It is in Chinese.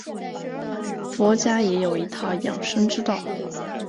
佛家也有一套养生之道。